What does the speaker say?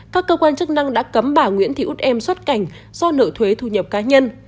các cơ quan chức năng đã cấm bà nguyễn thị út em xuất cảnh do nợ thuế thu nhập cá nhân